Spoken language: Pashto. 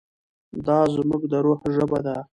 دا زموږ د روح ژبه ده.